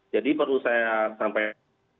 jadi perlu saya sampaikan